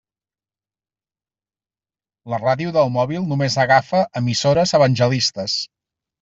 La ràdio del mòbil només agafa emissores evangelistes.